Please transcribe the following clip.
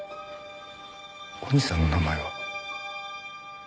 お兄さんの名前は？